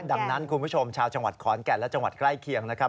ดังนั้นคุณผู้ชมชาวจังหวัดขอนแก่นและจังหวัดใกล้เคียงนะครับ